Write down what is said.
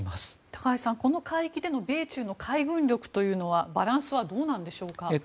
高橋さん、この海域での米中の海軍力というのはバランスはどうなんでしょうか。